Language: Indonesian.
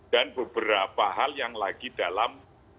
dan beberapa hal yang lagi dalam